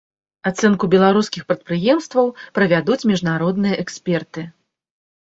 Ацэнку беларускіх прадпрыемстваў правядуць міжнародныя эксперты.